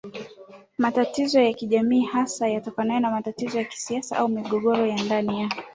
matatizo ya kijamii hasa yatokanayo na matatizo ya kisiasa au migogoro ya ndani ya